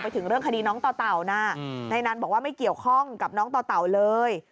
ถึงเรื่องคดีน้องต่อเต่านะนายนันบอกว่าไม่เกี่ยวข้องกับน้องต่อเต่าเลย